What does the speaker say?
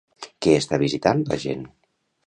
Què està visitant la gent?